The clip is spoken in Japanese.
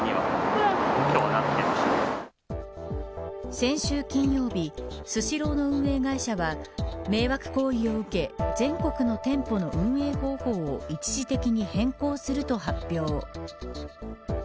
先週金曜日スシローの運営会社は迷惑行為を受け全国の店舗の運営方法を一時的に変更すると発表。